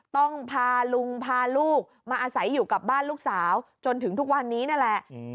ต้องพาลุงพาลูกมาอาศัยอยู่กับบ้านลูกสาวจนถึงทุกวันนี้นั่นแหละ